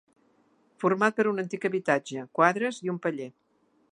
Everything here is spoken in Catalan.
Format per un antic habitatge, quadres i un paller.